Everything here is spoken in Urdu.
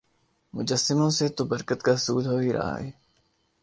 مجسموں سے تو برکت کا حصول ہو ہی رہا ہے